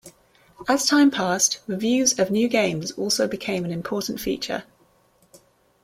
As time passed, reviews of new games also became an important feature.